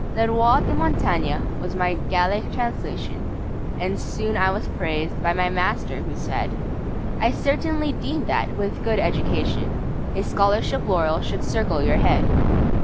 Le Roi de Montagnes was my Gallic translation, And soon I was praised by my master, who said: "I certainly deem that, with good education, A Scholarship laurel should circle your head!"